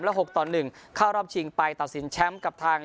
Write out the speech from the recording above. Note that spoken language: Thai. หกต่อหนึ่งเข้ารอบชิงไปตัดสินแชมป์กับทาง